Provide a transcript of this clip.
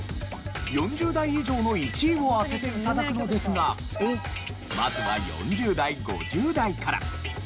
４０代以上の１位を当てて頂くのですがまずは４０代５０代から。